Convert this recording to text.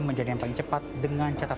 menjadi yang paling cepat dan paling berhasil